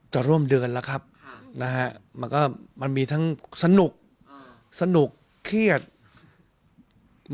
จะร่วมเดือนแล้วครับนะฮะมันก็มันมีทั้งสนุกสนุกเครียด